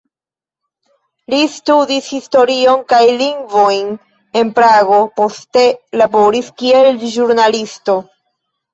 Li studis historion kaj lingvojn en Prago, poste laboris kiel ĵurnalisto.